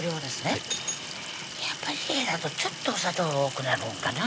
やっぱり家でやるとちょっとお砂糖多くなるんかな？